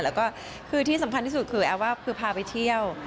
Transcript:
แล้วก็คือที่สำคัญที่สุดคือแอฟว่าคือพาไปเที่ยว